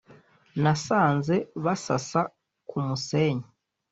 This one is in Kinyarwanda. Nasanze basasa ku musenyi